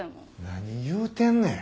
何言うてんねん。